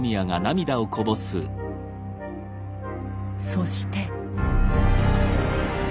そして。